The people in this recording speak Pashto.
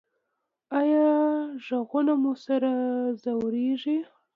ایا غږونه مو سر ځوروي؟